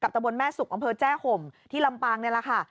กับตำบลแม่สุขอองเภาเจ้าห่มที่ลำปังนี้ล่ะคะ